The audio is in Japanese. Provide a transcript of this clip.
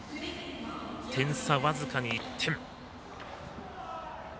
点差、僅かに１点。